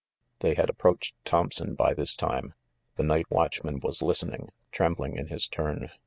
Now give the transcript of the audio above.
They had approached Thompson by this time. The night watchman was listening, trembling in his turn.